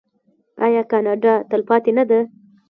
آیا کاناډا تلپاتې نه ده؟